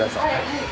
はい。